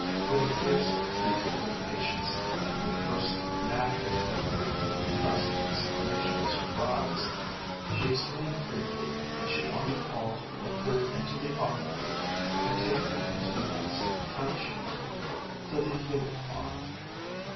With a fierce heat of impatience at my first natural but quickly repressed exclamation of surprise she explained briefly that she wanted Paul to lift her into the automobile and take her into the next township to the Hulett farm.